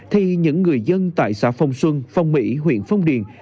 thì những người dân tại xã phong xuân phong mỹ huyện phong điền